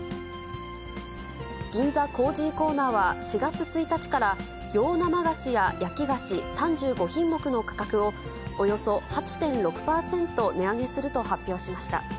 銀座コージーコーナーは、４月１日から、洋生菓子や焼菓子、３５品目の価格を、およそ８．６％値上げすると発表しました。